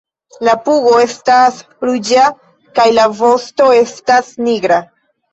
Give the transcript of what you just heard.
La pugo estas ruĝa kaj la vosto estas nigra.